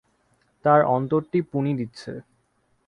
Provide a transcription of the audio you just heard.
তারা অন্তরটিপুনি দিচ্ছে।